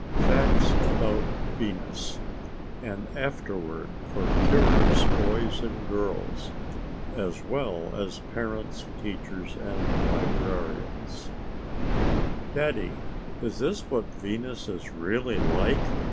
Facts About Venus An Afterword for Curious Boys and Girls (As well as Parents, Teachers and Librarians) "Daddy, is this what Venus is really like?"